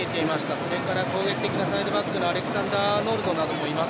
それから、攻撃的なサイドバックアレクサンダーアーノルドなどもいます。